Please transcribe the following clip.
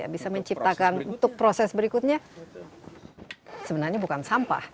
bisa menciptakan untuk proses berikutnya sebenarnya bukan sampah